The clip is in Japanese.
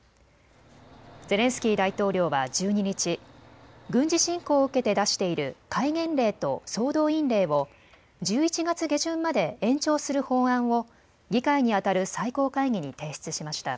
ゼレンスキー大統領は１２日、軍事侵攻を受けて出している戒厳令と総動員令を１１月下旬まで延長する法案を議会にあたる最高会議に提出しました。